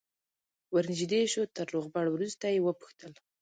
ور نژدې شو تر روغبړ وروسته یې وپوښتل.